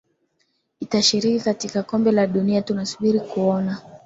itashiriki katika kombe la dunia tunasubiri kuona